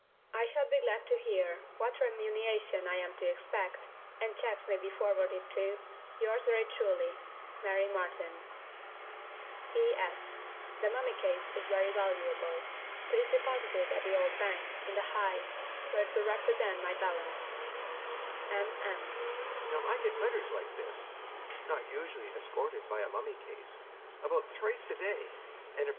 I shall be glad to hear what remuneration I am to expect, and cheques may be forwarded to_ 'Yours very truly, 'MARY MARTIN. 'P.S. The mummy case is very valuable. Please deposit it at the Old Bank, in the High, where it will represent my balance. 'M. M.'